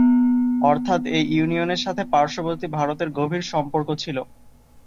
অর্থাৎ এ ইউনিয়নের সাথে পার্শ্ববর্তী ভারতের গভীর সম্পর্ক ছিল।